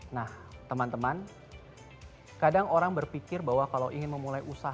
nah teman teman kadang orang berpikir bahwa kalau ingin memulai usaha